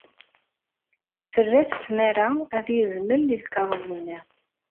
Terra-t tmara ad yezmel lkaɣeḍ-nni.